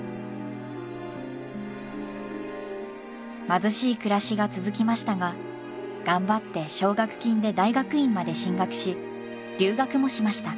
貧しい暮らしが続きましたが頑張って奨学金で大学院まで進学し留学もしました。